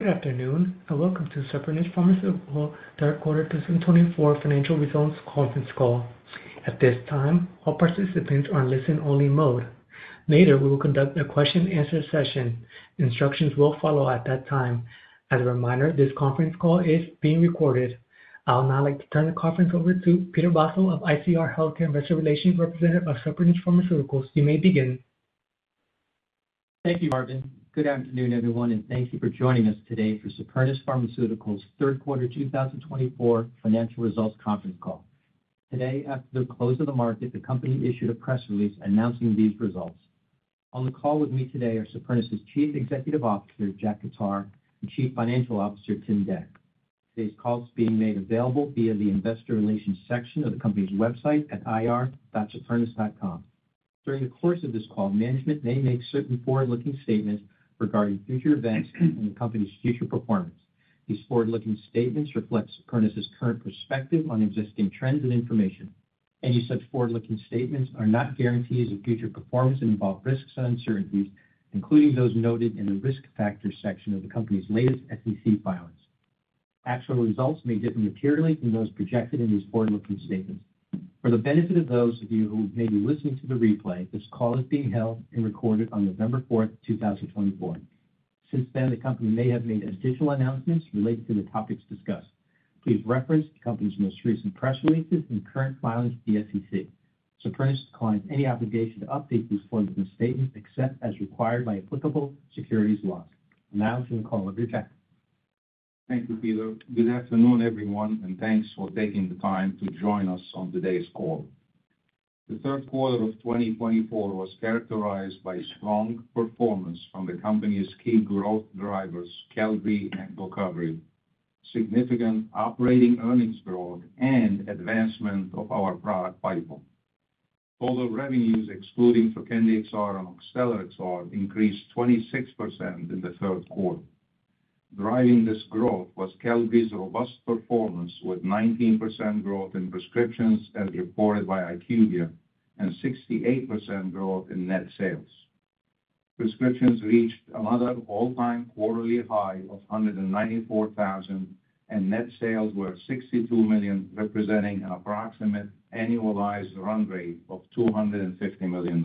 Good afternoon and welcome to Supernus Pharmaceuticals third quarter 2024 financial results conference call. At this time, all participants are in listen-only mode. Later, we will conduct a question-and-answer session. Instructions will follow at that time. As a reminder, this conference call is being recorded. I would now like to turn the conference over to Peter Vozzo of ICR Healthcare, Investor Relations Representative of Supernus Pharmaceuticals. You may begin. Thank you, Martin. Good afternoon, everyone, and thank you for joining us today for Supernus Pharmaceuticals' third quarter 2024 financial results conference call. Today, after the close of the market, the company issued a press release announcing these results. On the call with me today are Supernus' Chief Executive Officer, Jack Khattar, and Chief Financial Officer, Tim Dec. Today's call is being made available via the Investor Relations section of the company's website at ir.supernus.com. During the course of this call, management may make certain forward-looking statements regarding future events and the company's future performance. These forward-looking statements reflect Supernus' current perspective on existing trends and information. Any such forward-looking statements are not guarantees of future performance and involve risks and uncertainties, including those noted in the risk factors section of the company's latest SEC filings. Actual results may differ materially from those projected in these forward-looking statements. For the benefit of those of you who may be listening to the replay, this call is being held and recorded on November 4, 2024. Since then, the company may have made additional announcements related to the topics discussed. Please reference the company's most recent press releases and current filings to the SEC. Supernus declines any obligation to update these forward-looking statements except as required by applicable securities laws. Now to the call, over to Jack. Thank you, Peter. Good afternoon, everyone, and thanks for taking the time to join us on today's call. The third quarter of 2024 was characterized by strong performance from the company's key growth drivers, Qelbree and GOCOVRI, significant operating earnings growth, and advancement of our product pipeline. Total revenues, excluding for Trokendi XR and Oxtellar XR, increased 26% in the third quarter. Driving this growth was Qelbree's robust performance with 19% growth in prescriptions, as reported by IQVIA, and 68% growth in net sales. Prescriptions reached another all-time quarterly high of 194,000, and net sales were $62 million, representing an approximate annualized run rate of $250 million.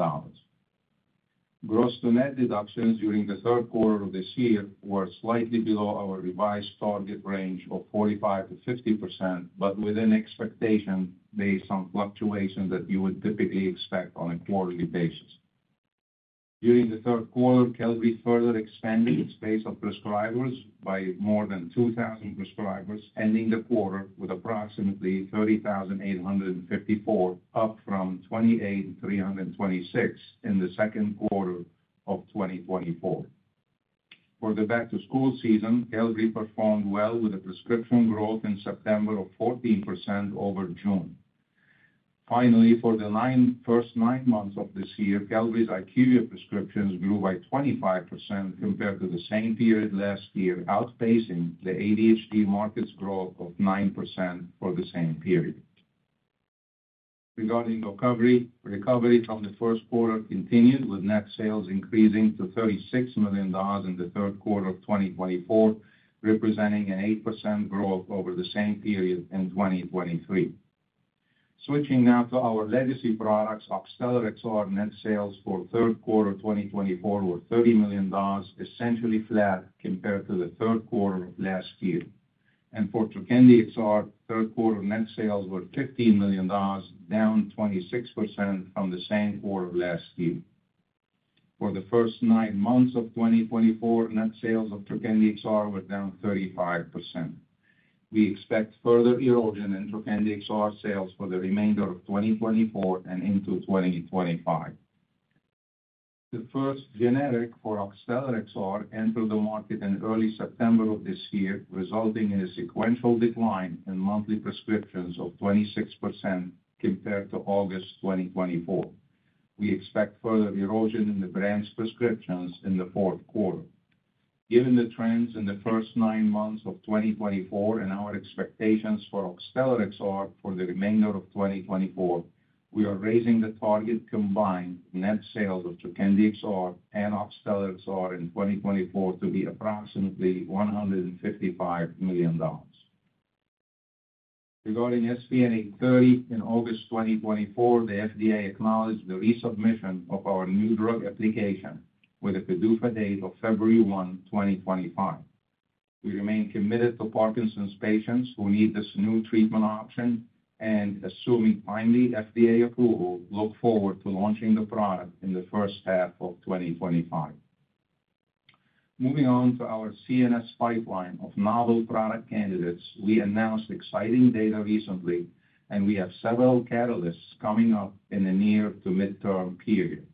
Gross-to-net deductions during the third quarter of this year were slightly below our revised target range of 45% to 50%, but within expectation based on fluctuations that you would typically expect on a quarterly basis. During the third quarter, Qelbree further expanded its base of prescribers by more than 2,000 prescribers, ending the quarter with approximately 30,854, up from 28,326 in the second quarter of 2024. For the back-to-school season, Qelbree performed well with a prescription growth in September of 14% over June. Finally, for the first nine months of this year, Qelbree's IQVIA prescriptions grew by 25% compared to the same period last year, outpacing the ADHD market's growth of 9% for the same period. Regarding GOCOVRI, recovery from the first quarter continued, with net sales increasing to $36 million in the third quarter of 2024, representing an 8% growth over the same period in 2023. Switching now to our legacy products, Oxtellar XR net sales for third quarter 2024 were $30 million, essentially flat compared to the third quarter of last year. For Trokendi XR, third quarter net sales were $15 million, down 26% from the same quarter last year. For the first nine months of 2024, net sales of Trokendi XR were down 35%. We expect further erosion in Trokendi XR sales for the remainder of 2024 and into 2025. The first generic for Oxtellar XR entered the market in early September of this year, resulting in a sequential decline in monthly prescriptions of 26% compared to August 2024. We expect further erosion in the brand's prescriptions in the fourth quarter. Given the trends in the first nine months of 2024 and our expectations for Oxtellar XR for the remainder of 2024, we are raising the target combined net sales of Trokendi XR and Oxtellar XR in 2024 to be approximately $155 million. Regarding SPN-830, in August 2024, the FDA acknowledged the resubmission of our new drug application with a PDUFA date of February 1, 2025. We remain committed to Parkinson's patients who need this new treatment option and, assuming timely FDA approval, look forward to launching the product in the first half of 2025. Moving on to our CNS pipeline of novel product candidates, we announced exciting data recently, and we have several catalysts coming up in the near to midterm period.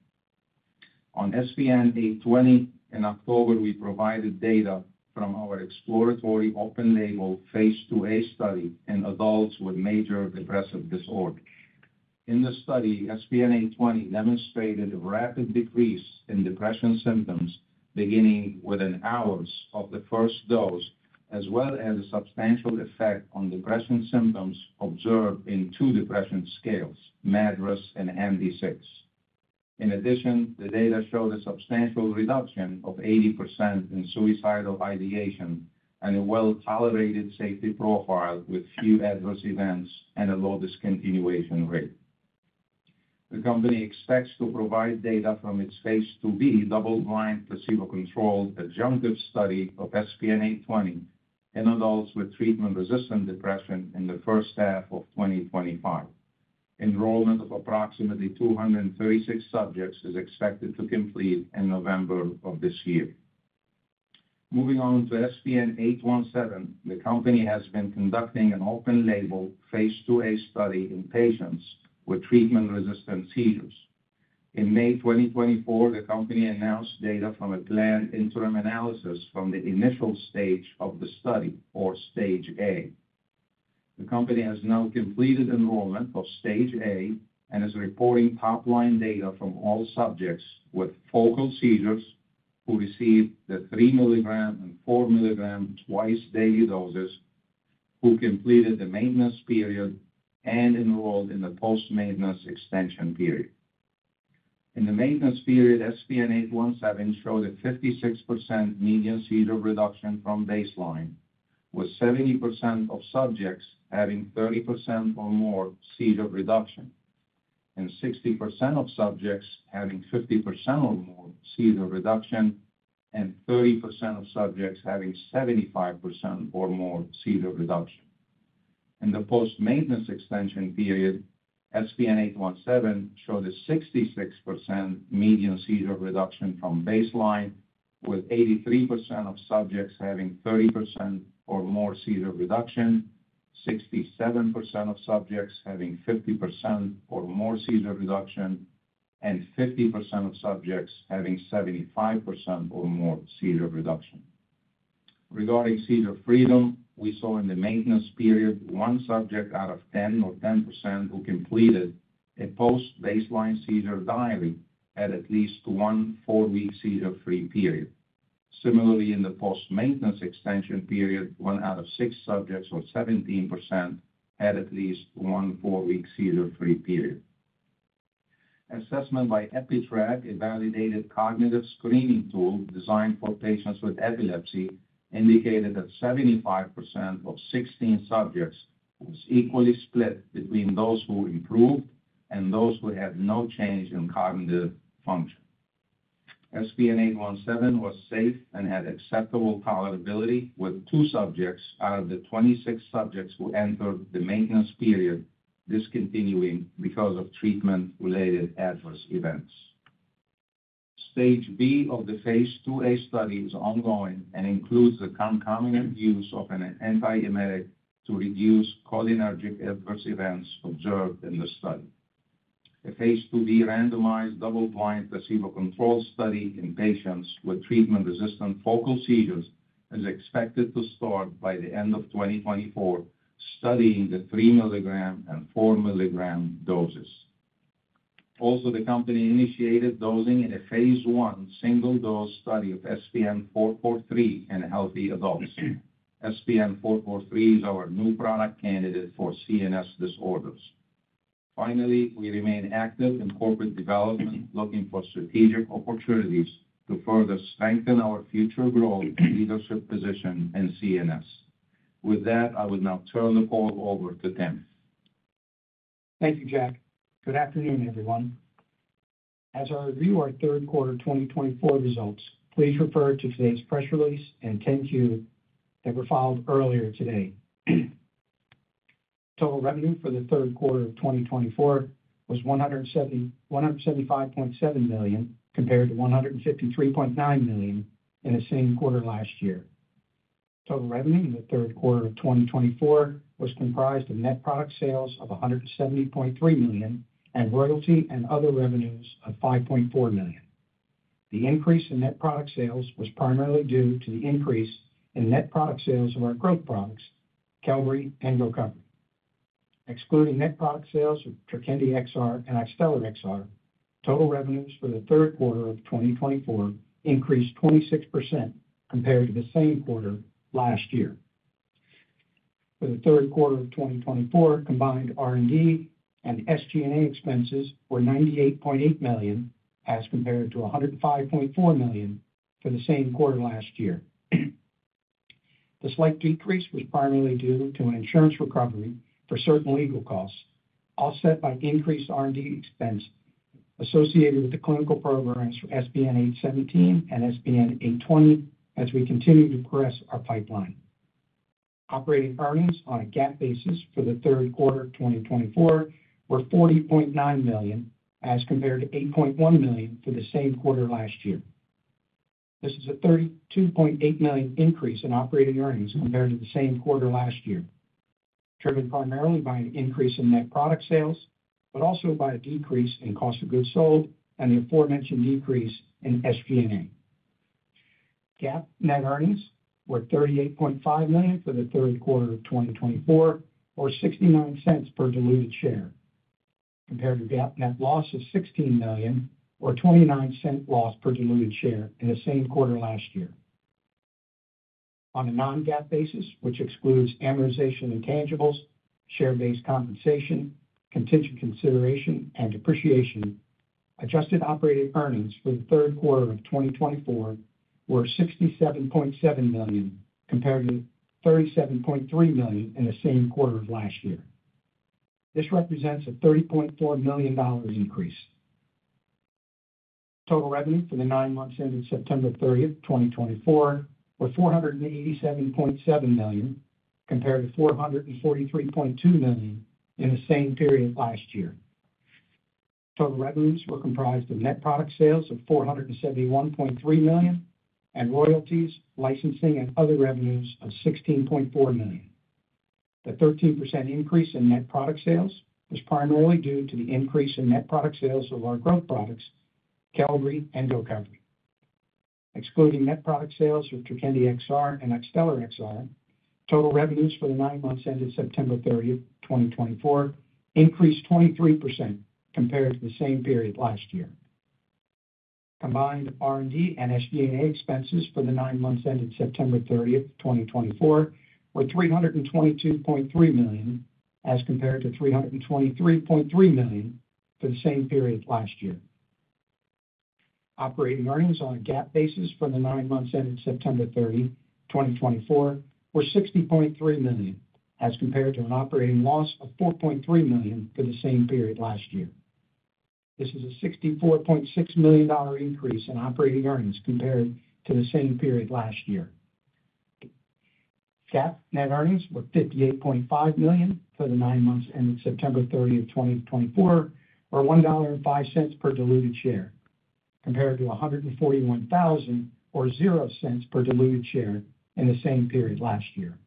On SPN-820, in October, we provided data from our exploratory open-label phase 2A study in adults with major depressive disorder. In the study, SPN-820 demonstrated a rapid decrease in depression symptoms beginning within hours of the first dose, as well as a substantial effect on depression symptoms observed in two depression scales, MADRS and HAM-D6. In addition, the data showed a substantial reduction of 80% in suicidal ideation and a well-tolerated safety profile with few adverse events and a low discontinuation rate. The company expects to provide data from its phase 2B double-blind placebo-controlled adjunctive study of SPN-820 in adults with treatment-resistant depression in the first half of 2025. Enrollment of approximately 236 subjects is expected to complete in November of this year. Moving on to SPN-817, the company has been conducting an open-label phase 2A study in patients with treatment-resistant seizures. In May 2024, the company announced data from a planned interim analysis from the initial stage of the study, or stage A. The company has now completed enrollment of stage A and is reporting top-line data from all subjects with focal seizures who received the 3 mg and 4 mg twice-daily doses, who completed the maintenance period, and enrolled in the post-maintenance extension period. In the maintenance period, SPN-817 showed a 56% median seizure reduction from baseline, with 70% of subjects having 30% or more seizure reduction, and 60% of subjects having 50% or more seizure reduction, and 30% of subjects having 75% or more seizure reduction. In the post-maintenance extension period, SPN-817 showed a 66% median seizure reduction from baseline, with 83% of subjects having 30% or more seizure reduction, 67% of subjects having 50% or more seizure reduction, and 50% of subjects having 75% or more seizure reduction. Regarding seizure freedom, we saw in the maintenance period one subject out of 10 or 10% who completed a post-baseline seizure diary at least one four-week seizure-free period. Similarly, in the post-maintenance extension period, one out of six subjects or 17% had at least one four-week seizure-free period. Assessment by EpiTrack, a validated cognitive screening tool designed for patients with epilepsy, indicated that 75% of 16 subjects was equally split between those who improved and those who had no change in cognitive function. SPN-817 was safe and had acceptable tolerability with two subjects out of the 26 subjects who entered the maintenance period discontinuing because of treatment-related adverse events. Stage B of the phase 2A study is ongoing and includes the concomitant use of an antiemetic to reduce cholinergic adverse events observed in the study. A phase 2b randomized double-blind placebo-controlled study in patients with treatment-resistant focal seizures is expected to start by the end of 2024, studying the three mg and four mg doses. Also, the company initiated dosing in a phase 1 single-dose study of SPN-443 in healthy adults. SPN-443 is our new product candidate for CNS disorders. Finally, we remain active in corporate development, looking for strategic opportunities to further strengthen our future growth and leadership position in CNS. With that, I would now turn the call over to Tim. Thank you, Jack. Good afternoon, everyone. As I review our third quarter 2024 results, please refer to today's press release and 10-Q that were filed earlier today. Total revenue for the third quarter of 2024 was $175.7 million compared to $153.9 million in the same quarter last year. Total revenue in the third quarter of 2024 was comprised of net product sales of $170.3 million and royalty and other revenues of $5.4 million. The increase in net product sales was primarily due to the increase in net product sales of our growth products, QELBREE and GOCOVRI. Excluding net product sales of Trokendi XR and Oxtellar XR, total revenues for the third quarter of 2024 increased 26% compared to the same quarter last year. For the third quarter of 2024, combined R&D and SG&A expenses were $98.8 million as compared to $105.4 million for the same quarter last year. This slight decrease was primarily due to an insurance recovery for certain legal costs, offset by increased R&D expense associated with the clinical programs for SPN-817 and SPN-820 as we continue to press our pipeline. Operating earnings on a GAAP basis for the third quarter of 2024 were $40.9 million as compared to $8.1 million for the same quarter last year. This is a $32.8 million increase in operating earnings compared to the same quarter last year, driven primarily by an increase in net product sales, but also by a decrease in cost of goods sold and the aforementioned decrease in SG&A. GAAP net earnings were $38.5 million for the third quarter of 2024, or $0.69 per diluted share, compared to GAAP net loss of $16 million, or $0.29 loss per diluted share in the same quarter last year. On a non-GAAP basis, which excludes amortization intangibles, share-based compensation, contingent consideration, and depreciation, adjusted operating earnings for the third quarter of 2024 were $67.7 million compared to $37.3 million in the same quarter of last year. This represents a $30.4 million increase. Total revenue for the nine months ended September 30, 2024, was $487.7 million compared to $443.2 million in the same period last year. Total revenues were comprised of net product sales of $471.3 million and royalties, licensing, and other revenues of $16.4 million. The 13% increase in net product sales was primarily due to the increase in net product sales of our growth products, QELBREE and GOCOVRI. Excluding net product sales of Trokendi XR and Oxtellar XR, total revenues for the nine months ended September 30, 2024, increased 23% compared to the same period last year. Combined R&D and SG&A expenses for the nine months ended September 30, 2024, were $322.3 million as compared to $323.3 million for the same period last year. Operating earnings on a GAAP basis for the nine months ended September 30, 2024, were $60.3 million as compared to an operating loss of $4.3 million for the same period last year. This is a $64.6 million increase in operating earnings compared to the same period last year. GAAP net earnings were $58.5 million for the nine months ended September 30, 2024, or $1.05 per diluted share, compared to $141.00 or $0.00 per diluted share in the same period last year.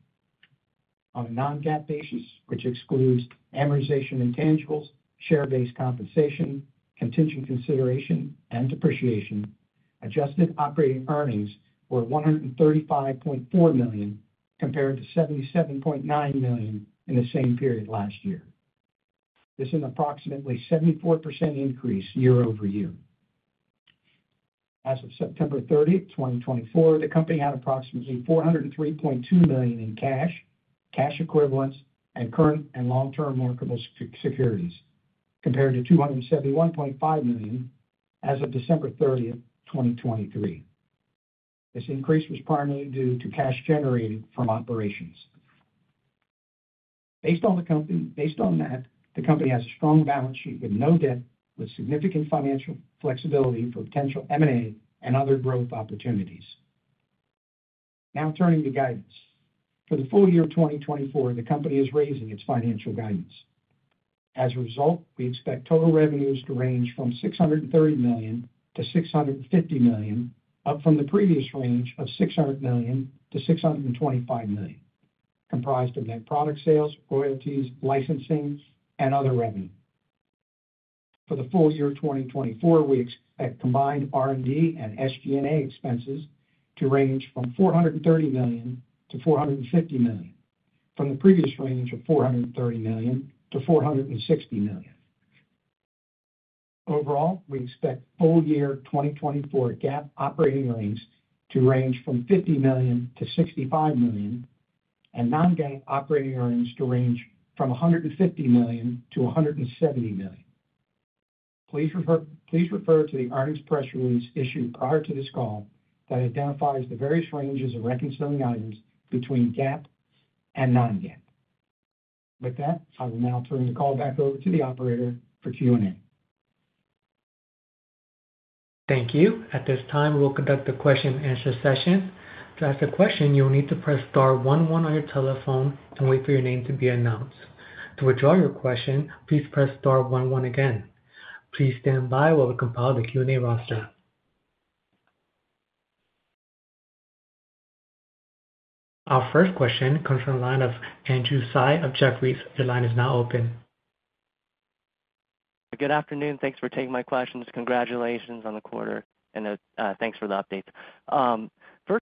On a non-GAAP basis, which excludes amortization intangibles, share-based compensation, contingent consideration, and depreciation, adjusted operating earnings were $135.4 million compared to $77.9 million in the same period last year. This is an approximately 74% increase year over year. As of September 30, 2024, the company had approximately $403.2 million in cash, cash equivalents, and current and long-term marketable securities, compared to $271.5 million as of December 30, 2023. This increase was primarily due to cash generated from operations. Based on that, the company has a strong balance sheet with no debt, with significant financial flexibility for potential M&A and other growth opportunities. Now turning to guidance. For the full year of 2024, the company is raising its financial guidance. As a result, we expect total revenues to range from $630-$650 million, up from the previous range of $600-$625 million, comprised of net product sales, royalties, licensing, and other revenue. For the full year of 2024, we expect combined R&D and SG&A expenses to range from $430-$450 million, from the previous range of $430-$460 million. Overall, we expect full year 2024 GAAP operating earnings to range from $50 million-$65 million, and non-GAAP operating earnings to range from $150 million-$170 million. Please refer to the earnings press release issued prior to this call that identifies the various ranges of reconciling items between GAAP and non-GAAP. With that, I will now turn the call back over to the operator for Q&A. Thank you. At this time, we'll conduct the question-and-answer session. To ask a question, you'll need to press star one one on your telephone and wait for your name to be announced. To withdraw your question, please press star one one again. Please stand by while we compile the Q&A roster. Our first question comes from the line of Andrew Tsai of Jefferies. Your line is now open. Good afternoon. Thanks for taking my questions. Congratulations on the quarter, and thanks for the update. First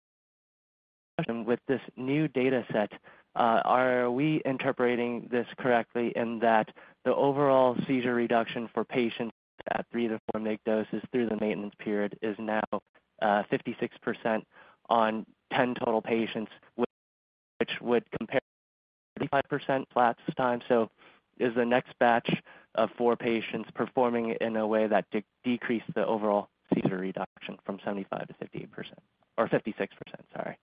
question, with this new data set, are we interpreting this correctly in that the overall seizure reduction for patients at three to four-day doses through the maintenance period is now 56% on 10 total patients, which would compare to 55% flat this time? So is the next batch of four patients performing in a way that decreased the overall seizure reduction from 75% to 58% or 56%? Sorry.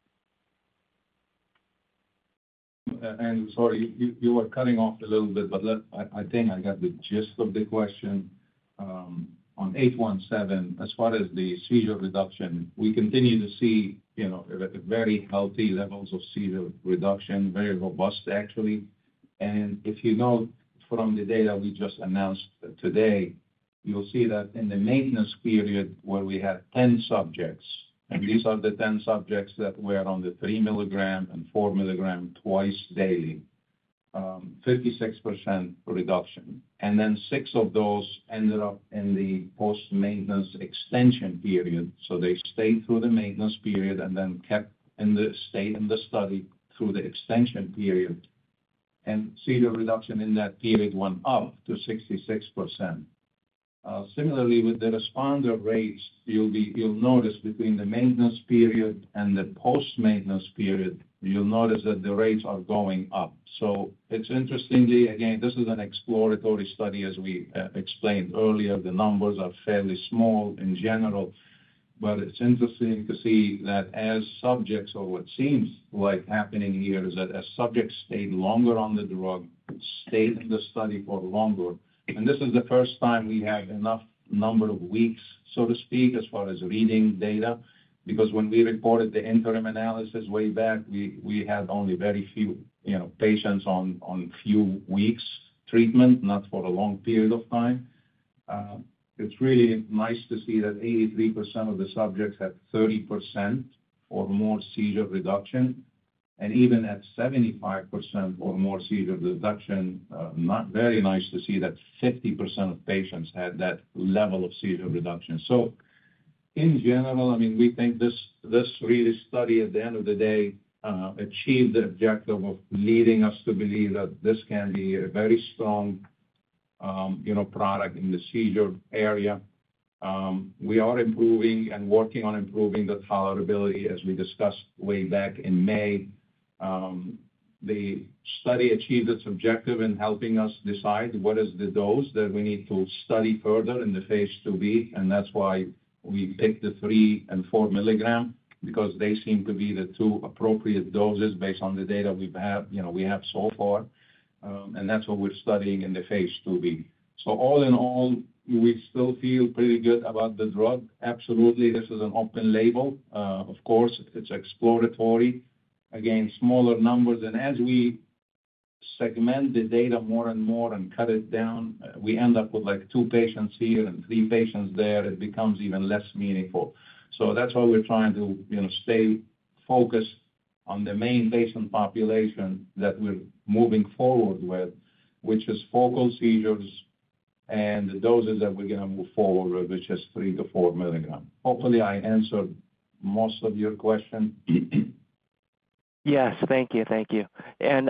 Andrew, sorry, you were cutting off a little bit, but I think I got the gist of the question. On 817, as far as the seizure reduction, we continue to see very healthy levels of seizure reduction, very robust, actually. And if you note from the data we just announced today, you'll see that in the maintenance period where we had 10 subjects, and these are the 10 subjects that were on the 3 mg and 4 mg twice daily, 56% reduction. And then six of those ended up in the post-maintenance extension period. So they stayed through the maintenance period and then kept in the stay in the study through the extension period. And seizure reduction in that period went up to 66%. Similarly, with the responder rates, you'll notice between the maintenance period and the post-maintenance period, you'll notice that the rates are going up. So it's interestingly, again, this is an exploratory study, as we explained earlier. The numbers are fairly small in general, but it's interesting to see that as subjects, or what seems like happening here, is that as subjects stayed longer on the drug, stayed in the study for longer. And this is the first time we have enough number of weeks, so to speak, as far as reading data, because when we reported the interim analysis way back, we had only very few patients on few weeks treatment, not for a long period of time. It's really nice to see that 83% of the subjects had 30% or more seizure reduction. And even at 75% or more seizure reduction, not very nice to see that 50% of patients had that level of seizure reduction. So in general, I mean, we think this really study, at the end of the day, achieved the objective of leading us to believe that this can be a very strong product in the seizure area. We are improving and working on improving the tolerability, as we discussed way back in May. The study achieved its objective in helping us decide what is the dose that we need to study further in the phase 2b, and that's why we picked the three and four mg, because they seem to be the two appropriate doses based on the data we have so far. And that's what we're studying in the phase 2b. So all in all, we still feel pretty good about the drug. Absolutely, this is an open label. Of course, it's exploratory. Again, smaller numbers. As we segment the data more and more and cut it down, we end up with like two patients here and three patients there. It becomes even less meaningful. So that's why we're trying to stay focused on the main patient population that we're moving forward with, which is focal seizures and the doses that we're going to move forward with, which is 3-4 mg. Hopefully, I answered most of your question. Yes, thank you. Thank you. And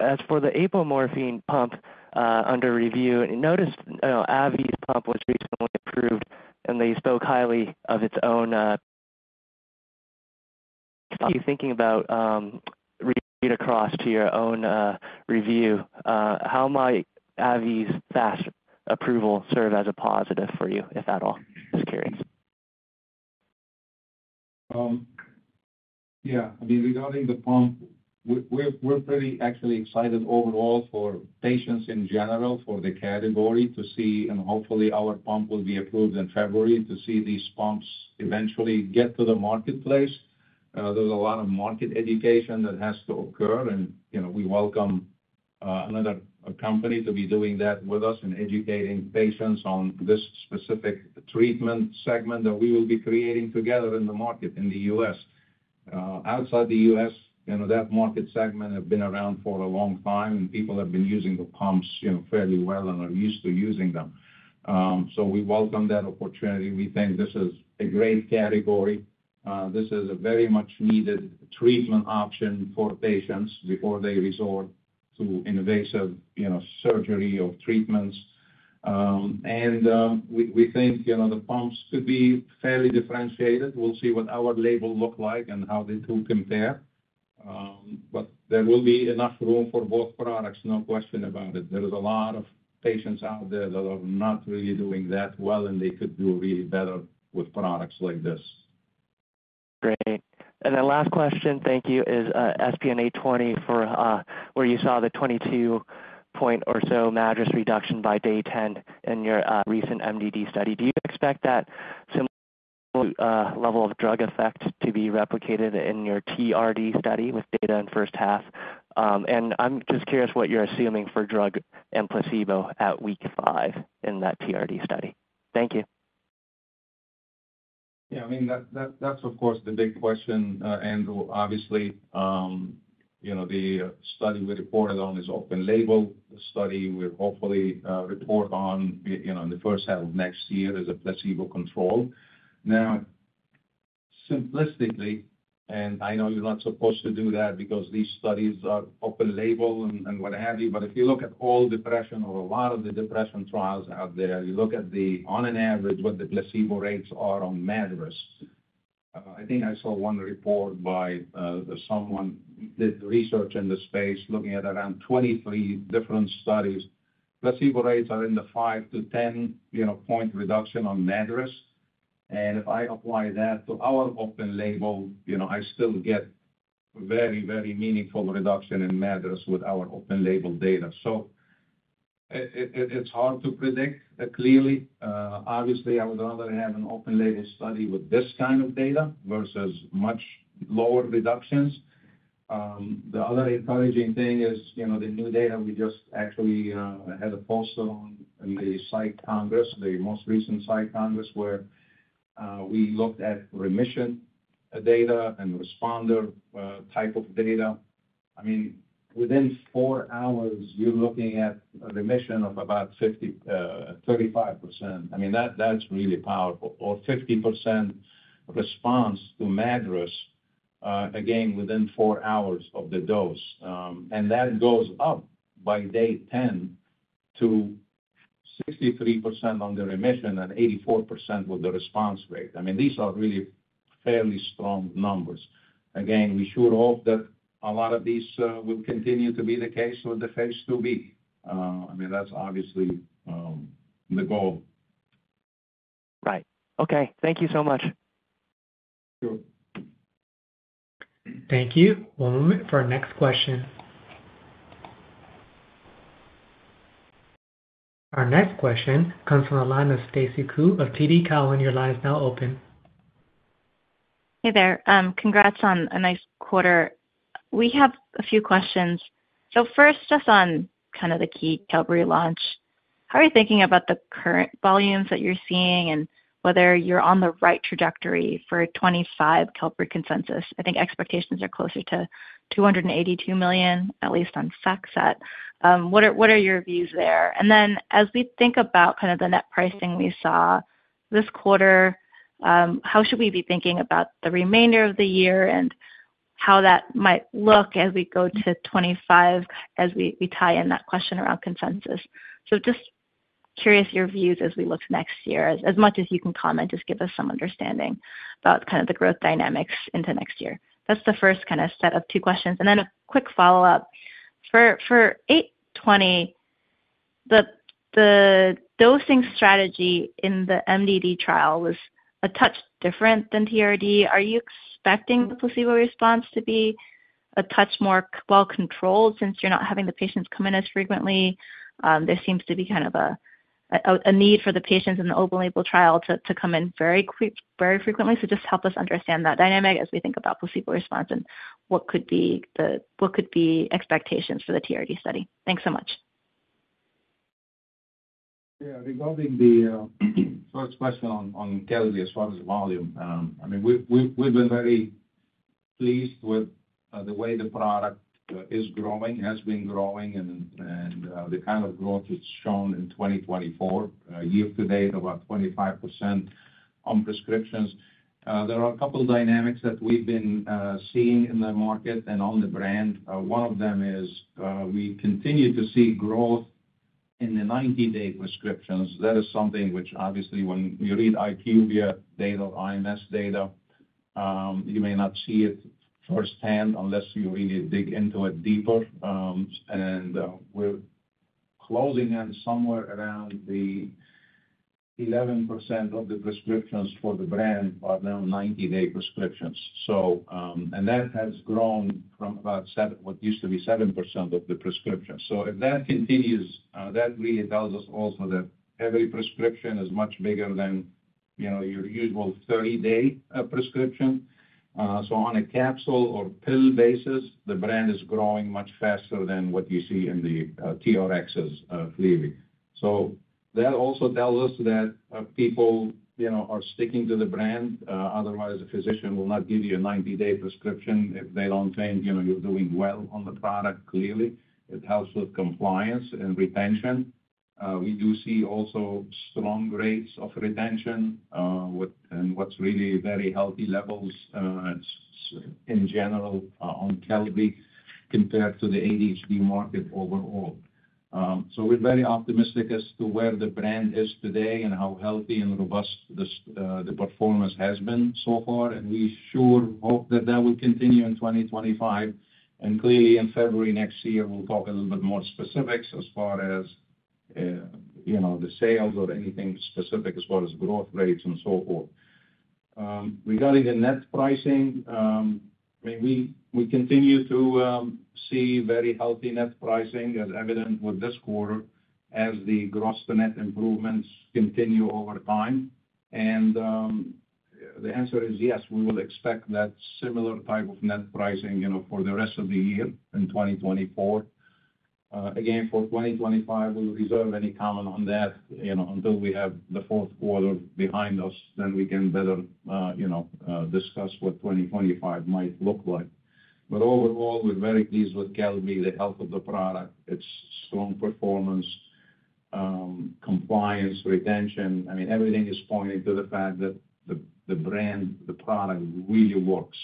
as for the apomorphine pump under review, noticed AbbVie's pump was recently approved, and they spoke highly of its own. Thinking about read across to your own review, how might AbbVie's fast approval serve as a positive for you, if at all? Just curious. Yeah. I mean, regarding the pump, we're pretty actually excited overall for patients in general, for the category to see, and hopefully our pump will be approved in February to see these pumps eventually get to the marketplace. There's a lot of market education that has to occur, and we welcome another company to be doing that with us and educating patients on this specific treatment segment that we will be creating together in the market in the U.S. Outside the U.S., that market segment has been around for a long time, and people have been using the pumps fairly well and are used to using them. So we welcome that opportunity. We think this is a great category. This is a very much needed treatment option for patients before they resort to invasive surgery or treatments. And we think the pumps could be fairly differentiated. We'll see what our label looks like and how they do compare. But there will be enough room for both products, no question about it. There is a lot of patients out there that are not really doing that well, and they could do really better with products like this. Great. And then last question, thank you, is SPN-820 for where you saw the 22-point or so MADRS reduction by day 10 in your recent MDD study. Do you expect that similar level of drug effect to be replicated in your TRD study with data in first half? And I'm just curious what you're assuming for drug and placebo at week five in that TRD study. Thank you. Yeah. I mean, that's, of course, the big question, Andrew. Obviously, the study we reported on is open label. The study we'll hopefully report on in the first half of next year is a placebo control. Now, simplistically, and I know you're not supposed to do that because these studies are open label and what have you, but if you look at all depression or a lot of the depression trials out there, you look at the, on an average, what the placebo rates are on MADRS. I think I saw one report by someone that did research in the space looking at around 23 different studies. Placebo rates are in the 5-10-point reduction on MADRS. And if I apply that to our open label, I still get very, very meaningful reduction in MADRS with our open label data. So it's hard to predict clearly. Obviously, I would rather have an open label study with this kind of data versus much lower reductions. The other encouraging thing is the new data we just actually had a poster on in the Psych Congress, the most recent Psych Congress, where we looked at remission data and responder type of data. I mean, within four hours, you're looking at a remission of about 35%. I mean, that's really powerful. Or 50% response to MADRS, again, within four hours of the dose. And that goes up by day 10 to 63% on the remission and 84% with the response rate. I mean, these are really fairly strong numbers. Again, we should hope that a lot of these will continue to be the case with the phase 2B. I mean, that's obviously the goal. Right. Okay. Thank you so much. Thank you. Thank you. One moment for our next question. Our next question comes from the line of Stacy Ku of TD Cowen. And your line is now open. Hey there. Congrats on a nice quarter. We have a few questions. So first, just on kind of the key QELBREE launch, how are you thinking about the current volumes that you're seeing and whether you're on the right trajectory for 2025 QELBREE consensus? I think expectations are closer to $282 million, at least on FactSet. What are your views there? And then as we think about kind of the net pricing we saw this quarter, how should we be thinking about the remainder of the year and how that might look as we go to 2025, as we tie in that question around consensus? So just curious your views as we look to next year. As much as you can comment, just give us some understanding about kind of the growth dynamics into next year. That's the first kind of set of two questions. Then a quick follow-up. For 820, the dosing strategy in the MDD trial was a touch different than TRD. Are you expecting the placebo response to be a touch more well-controlled since you're not having the patients come in as frequently? There seems to be kind of a need for the patients in the open label trial to come in very frequently. Just help us understand that dynamic as we think about placebo response and what could be the expectations for the TRD study. Thanks so much. Yeah. Regarding the first question on TRD as far as volume, I mean, we've been very pleased with the way the product is growing, has been growing, and the kind of growth it's shown in 2024. Year-to-date, about 25% on prescriptions. There are a couple of dynamics that we've been seeing in the market and on the brand. One of them is we continue to see growth in the 90-day prescriptions. That is something which, obviously, when you read IQVIA data, IMS data, you may not see it firsthand unless you really dig into it deeper. And we're closing in somewhere around the 11% of the prescriptions for the brand are now 90-day prescriptions. And that has grown from about what used to be 7% of the prescriptions. So if that continues, that really tells us also that every prescription is much bigger than your usual 30-day prescription. So on a capsule or pill basis, the brand is growing much faster than what you see in the TRXs clearly. So that also tells us that people are sticking to the brand. Otherwise, a physician will not give you a 90-day prescription if they don't think you're doing well on the product clearly. It helps with compliance and retention. We do see also strong rates of retention and what's really very healthy levels in general on QELBREE compared to the ADHD market overall. So we're very optimistic as to where the brand is today and how healthy and robust the performance has been so far. And we sure hope that that will continue in 2025. And clearly, in February next year, we'll talk a little bit more specifics as far as the sales or anything specific as far as growth rates and so forth. Regarding the net pricing, I mean, we continue to see very healthy net pricing as evident with this quarter as the gross-to-net improvements continue over time. And the answer is yes, we will expect that similar type of net pricing for the rest of the year in 2024. Again, for 2025, we'll reserve any comment on that until we have the fourth quarter behind us. Then we can better discuss what 2025 might look like. But overall, we're very pleased with QELBREE, the health of the product, its strong performance, compliance, retention. I mean, everything is pointing to the fact that the brand, the product really works.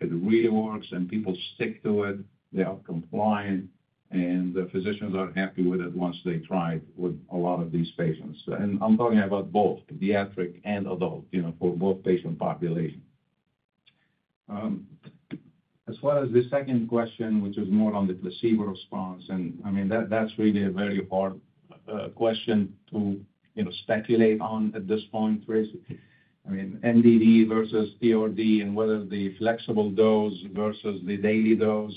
It really works, and people stick to it. They are compliant, and the physicians are happy with it once they tried with a lot of these patients. And I'm talking about both pediatric and adult for both patient populations. As far as the second question, which is more on the placebo response, and I mean, that's really a very hard question to speculate on at this point, Chris. I mean, MDD versus TRD and whether the flexible dose versus the daily dose.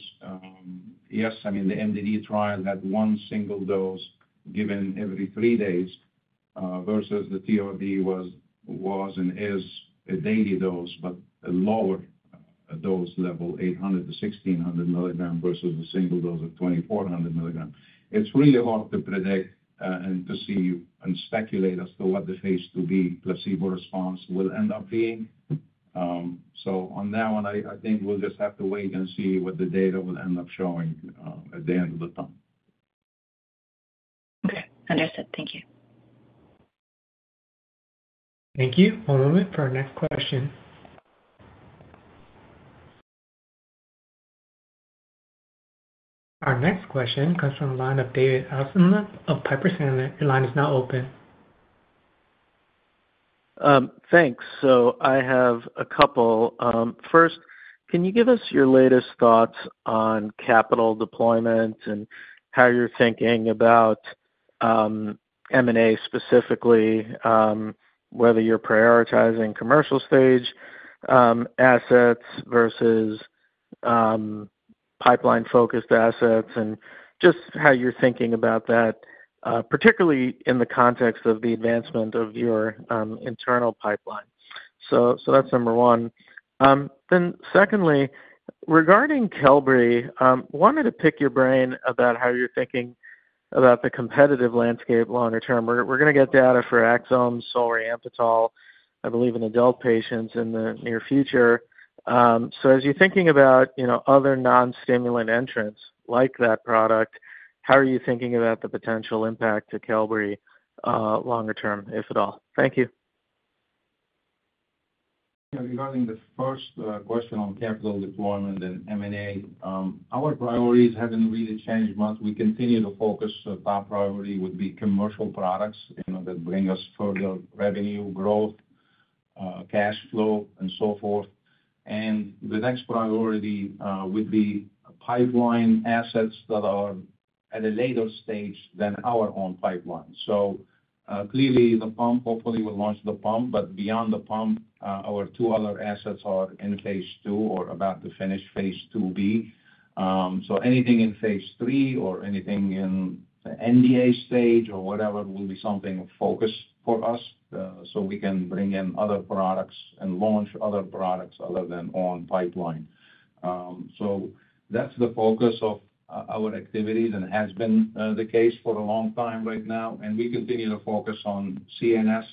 Yes, I mean, the MDD trial had one single dose given every three days versus the TRD was and is a daily dose, but a lower dose level, 800-1,600 milligrams versus a single dose of 2,400 milligrams. It's really hard to predict and to see and speculate as to what the phase 2b placebo response will end up being. So on that one, I think we'll just have to wait and see what the data will end up showing at the end of the time. Okay. Understood. Thank you. Thank you. One moment for our next question. Our next question comes from the line of David Amsellem of Piper Sandler. Your line is now open. Thanks. So I have a couple. First, can you give us your latest thoughts on capital deployment and how you're thinking about M&A specifically, whether you're prioritizing commercial-stage assets versus pipeline-focused assets, and just how you're thinking about that, particularly in the context of the advancement of your internal pipeline? So that's number one. Then secondly, regarding QELBREE, wanted to pick your brain about how you're thinking about the competitive landscape longer term. We're going to get data for Axsome solriamfetol, I believe, in adult patients in the near future. So as you're thinking about other non-stimulant entrants like that product, how are you thinking about the potential impact to QELBREE longer term, if at all? Thank you. Yeah. Regarding the first question on capital deployment and M&A, our priorities haven't really changed much. We continue to focus. Our top priority would be commercial products that bring us further revenue growth, cash flow, and so forth, and the next priority would be pipeline assets that are at a later stage than our own pipeline, so clearly, the pump, hopefully, we'll launch the pump, but beyond the pump, our two other assets are in phase 2 or about to finish phase 2B, so anything in phase 3 or anything in the NDA stage or whatever will be something of focus for us so we can bring in other products and launch other products other than our own pipeline, so that's the focus of our activities and has been the case for a long time right now, and we continue to focus on CNS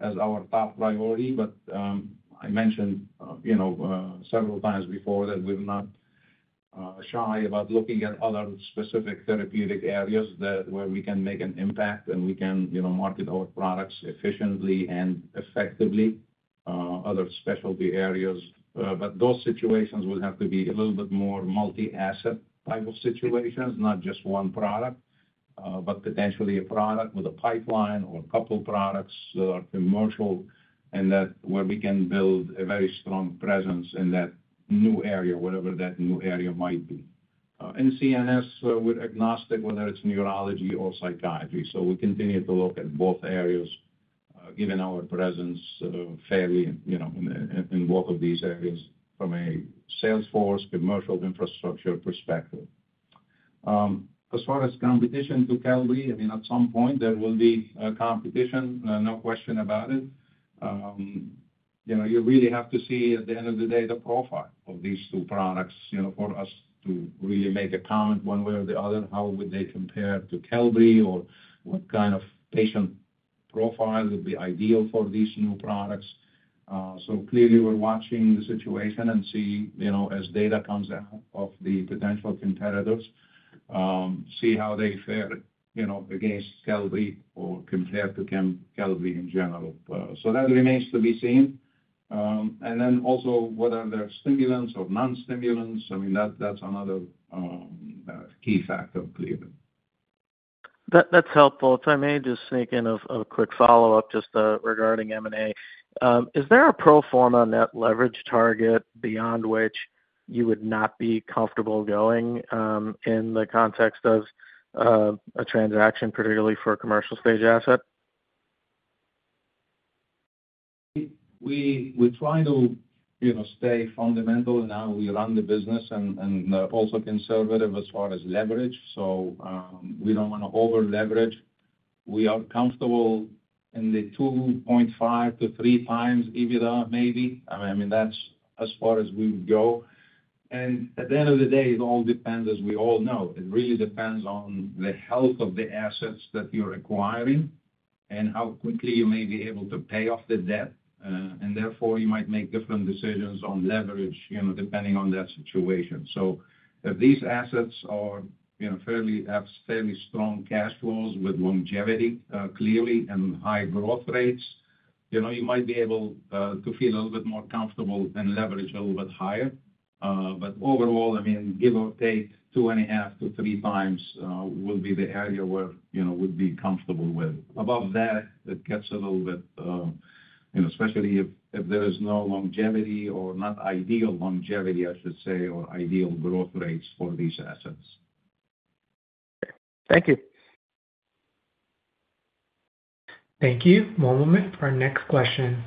as our top priority. But I mentioned several times before that we're not shy about looking at other specific therapeutic areas where we can make an impact and we can market our products efficiently and effectively, other specialty areas. But those situations will have to be a little bit more multi-asset type of situations, not just one product, but potentially a product with a pipeline or a couple of products that are commercial and where we can build a very strong presence in that new area, whatever that new area might be. In CNS, we're agnostic whether it's neurology or psychiatry. So we continue to look at both areas, given our presence fairly in both of these areas from a salesforce commercial infrastructure perspective. As far as competition to QELBREE, I mean, at some point, there will be competition, no question about it. You really have to see at the end of the day the profile of these two products for us to really make a comment one way or the other, how would they compare to QELBREE or what kind of patient profile would be ideal for these new products, so clearly, we're watching the situation and see as data comes out of the potential competitors, see how they fare against QELBREE or compare to QELBREE in general, so that remains to be seen, and then also whether they're stimulants or non-stimulants, I mean, that's another key factor clearly. That's helpful. If I may just sneak in a quick follow-up just regarding M&A, is there a pro forma net leverage target beyond which you would not be comfortable going in the context of a transaction, particularly for a commercial-stage asset? We try to stay fundamental. Now, we run the business and also conservative as far as leverage, so we don't want to over-leverage. We are comfortable in the 2.5-3 times EBITDA, maybe. I mean, that's as far as we would go, and at the end of the day, it all depends, as we all know. It really depends on the health of the assets that you're acquiring and how quickly you may be able to pay off the debt, and therefore, you might make different decisions on leverage depending on that situation, so if these assets are fairly strong cash flows with longevity clearly and high growth rates, you might be able to feel a little bit more comfortable and leverage a little bit higher, but overall, I mean, give or take 2.5-3 times will be the area where we'd be comfortable with. Above that, it gets a little bit, especially if there is no longevity or not ideal longevity, I should say, or ideal growth rates for these assets. Okay. Thank you. Thank you. One moment for our next question.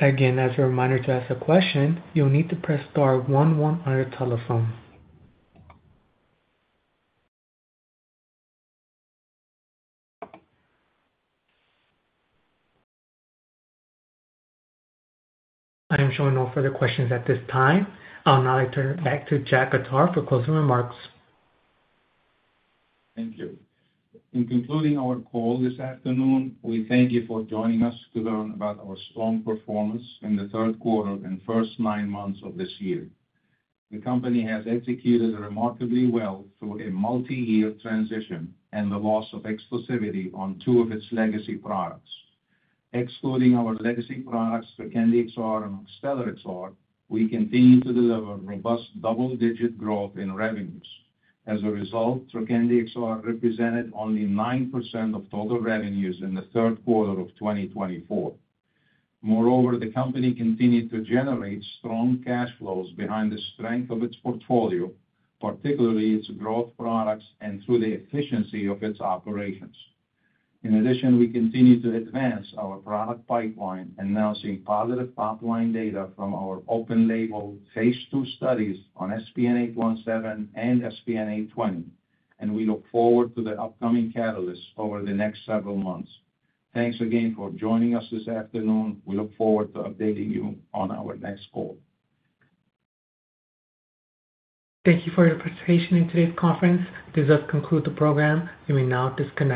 Again, as a reminder to ask a question, you'll need to press star one one on your telephone. I am showing no further questions at this time. I'll now turn it back to Jack Khattar for closing remarks. Thank you. In concluding our call this afternoon, we thank you for joining us to learn about our strong performance in the third quarter and first nine months of this year. The company has executed remarkably well through a multi-year transition and the loss of exclusivity on two of its legacy products. Excluding our legacy products, Trokendi XR and Oxtellar XR, we continue to deliver robust double-digit growth in revenues. As a result, Trokendi XR represented only 9% of total revenues in the third quarter of 2024. Moreover, the company continued to generate strong cash flows behind the strength of its portfolio, particularly its growth products and through the efficiency of its operations. In addition, we continue to advance our product pipeline and now seeing positive pipeline data from our open-label phase 2 studies on SPN-817 and SPN-820. And we look forward to the upcoming catalysts over the next several months. Thanks again for joining us this afternoon. We look forward to updating you on our next call. Thank you for your participation in today's conference. This does conclude the program. You may now disconnect.